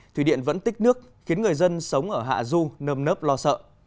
thủy điện vẫn tích nước khiến người dân sống ở hạ du nâm nớp lo sợ